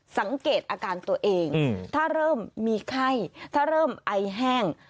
สังเกตอาการตัวเองถ้าเริ่มมีไข้ถ้าเริ่มไอแห้ง